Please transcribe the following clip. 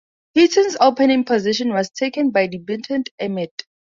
Hutton's opening position was taken by debutant Emmett.